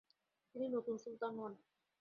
তিনি নতুন সুলতান হন।